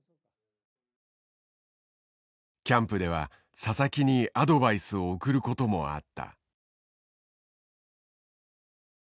キャンプでは佐々木にアドバイスを送ることもあった。